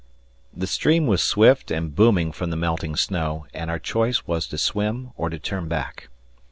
The stream was swift and booming from the melting snow, and our choice was to swim, or to turn back.